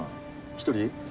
一人？